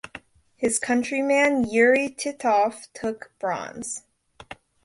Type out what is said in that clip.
His countryman Yury Titov took bronze.